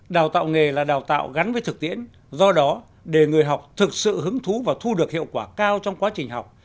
đào tạo nghề là đào tạo gắn với thực tiễn do đó để người học thực sự hứng thú và thu được hiệu quả cao trong quá trình học